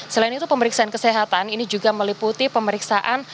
selain itu pemeriksaan kesehatan ini juga meliputi pemeriksaan